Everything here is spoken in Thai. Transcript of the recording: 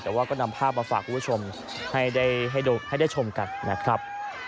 แต่ว่าก็นำภาพมาฝากคุณผู้ชมให้ได้ชมกันนะครับ